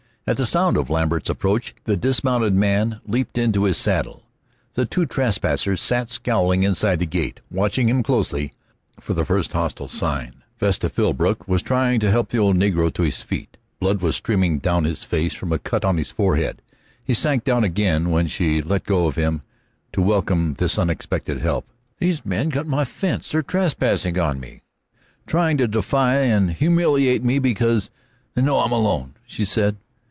At the sound of Lambert's approach the dismounted man leaped into his saddle. The two trespassers sat scowling inside the gate, watching him closely for the first hostile sign. Vesta Philbrook was trying to help the old negro to his feet. Blood was streaming down his face from a cut on his forehead; he sank down again when she let go of him to welcome this unexpected help. "These men cut my fence; they're trespassing on me, trying to defy and humiliate me because they know I'm alone!" she said.